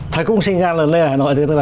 thầy cũng sinh ra ở hà nội